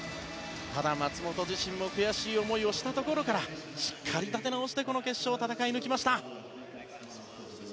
ただ、松元自身も悔しい思いをしたところからしっかり立て直してこの決勝を戦い抜きました。